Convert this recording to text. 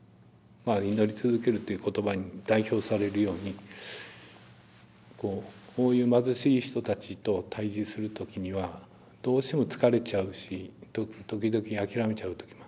祈り続けるという言葉に代表されるようにこういう貧しい人たちと対じする時にはどうしても疲れちゃうし時々諦めちゃう時もある。